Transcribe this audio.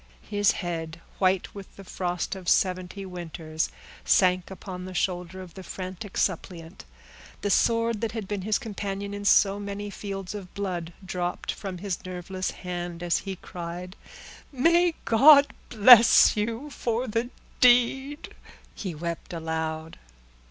His head, white with the frost of seventy winters, sank upon the shoulder of the frantic suppliant. The sword that had been his companion in so many fields of blood dropped from his nerveless hand, and as he cried, "May God bless you for the deed!" he wept aloud.